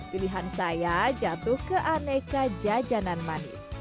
pilihan saya jatuh ke aneka jajanan manis